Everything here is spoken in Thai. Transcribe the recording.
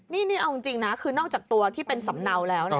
นี่เอาจริงนะคือนอกจากตัวที่เป็นสำเนาแล้ว